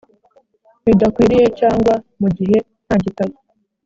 bidakwiriye cyangwa mu gihe nta gitabo